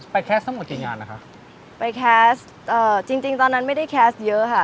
แคสทั้งหมดกี่งานนะคะไปแคสต์เอ่อจริงจริงตอนนั้นไม่ได้แคสต์เยอะค่ะ